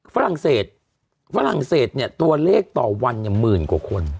ฝรั่งเศสฝรั่งเศสเนี่ยตัวเลขต่อวันเนี่ยหมื่นกว่าคน